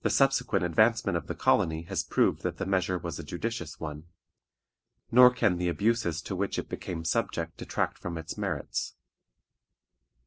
The subsequent advancement of the colony has proved that the measure was a judicious one, nor can the abuses to which it became subject detract from its merits.